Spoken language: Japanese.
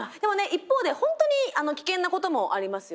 一方で本当に危険なこともありますよね。